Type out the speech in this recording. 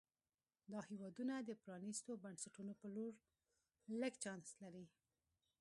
دا هېوادونه د پرانیستو بنسټونو په لور لږ چانس لري.